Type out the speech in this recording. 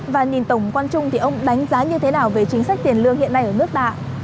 và nhìn tổng quan chung thì ông đánh giá như thế nào về chính sách tiền lương hiện nay ở nước ta